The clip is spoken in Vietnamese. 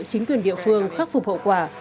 chính quyền địa phương khắc phục hậu quả